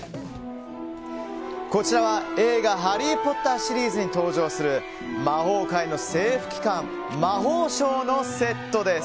こちらは映画「ハリー・ポッター」シリーズに登場する魔法界の政府機関魔法省のセットです。